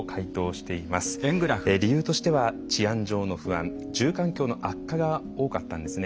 理由としては治安上の不安住環境の悪化が多かったんですね。